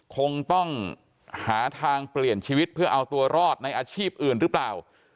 คงต้องหาทางเปลี่ยนชีวิตเพื่อเอาตัวรอดในอาชีพอื่นหรือเปล่า